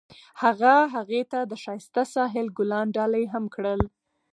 هغه هغې ته د ښایسته ساحل ګلان ډالۍ هم کړل.